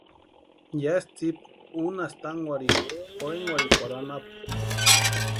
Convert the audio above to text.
Yásï tsïpa únasti tánkwarhikwa Jorhenkwarhikwarhu anapu.